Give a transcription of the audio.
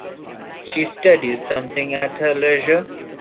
She studies something at her leisure.